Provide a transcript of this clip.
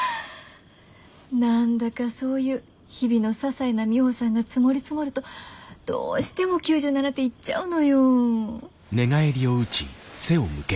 何だかそういう日々のささいなミホさんが積もり積もるとどうしても９７点いっちゃうのよ。